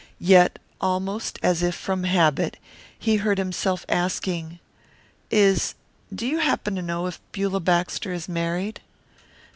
Yet, almost as if from habit, he heard himself asking, "Is do you happen to know if Beulah Baxter is married?"